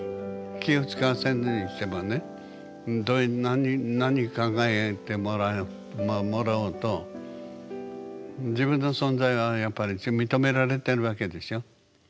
気をつかわせるにしてもねどういう何考えてもらおうと自分の存在はやっぱり認められてるわけでしょ。